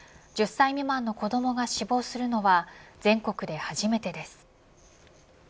１０歳未満の子どもが死亡するのは全国で初めてです。